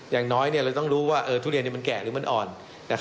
อย่างน้อยเราต้องรู้ว่าทุเรียนมันแก่หรือมันอ่อน